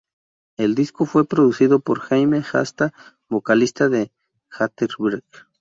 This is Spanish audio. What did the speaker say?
El disco fue producido por Jamey Jasta, vocalista de Hatebreed.